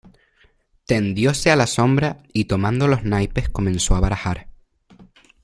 tendióse a la sombra, y tomando los naipes comenzó a barajar.